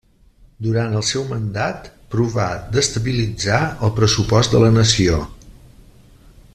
Durant el seu mandat provà d'estabilitzar el pressupost de la nació.